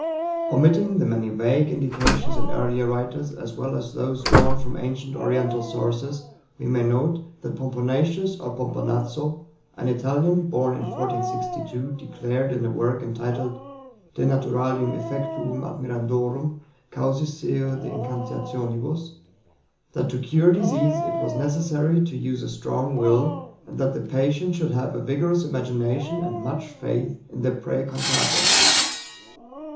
Omitting the many vague indications in earlier writers, as well as those drawn from ancient Oriental sources, we may note that POMPONATIUS or POMPONAZZO, an Italian, born in 1462, declared in a work entitled De naturalium effectuum admirandorum Causis seu de Incantationibus, that to cure disease it was necessary to use a strong will, and that the patient should have a vigorous imagination and much faith in the praê cantator.